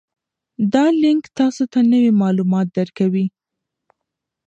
دا لینک تاسي ته نوي معلومات درکوي.